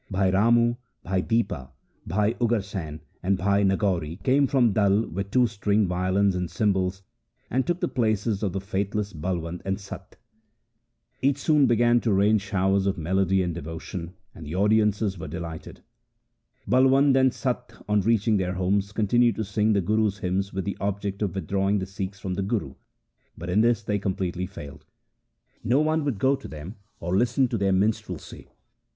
Bhai Ramu, Bhai Dipa, Bhai Ugarsain, and Bhai Nagauri came from Dalla with two stringed violins and cymbals, and took the places of the faithless Balwand and Satta. It soon began LIFE OF GURU ANGAD 23 to rain showers of melody and devotion, and the audiences were delighted. Balwand and Satta on reaching their homes continued to sing the Guru's hymns with the object of withdrawing the Sikhs from the Guru, but in this they completely failed. No one would go to them or listen to their minstrelsy.